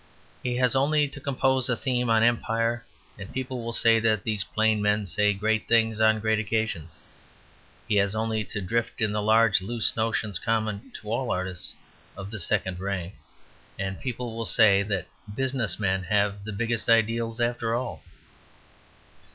He has only to compose a theme on empire, and people will say that these plain men say great things on great occasions. He has only to drift in the large loose notions common to all artists of the second rank, and people will say that business men have the biggest ideals after all.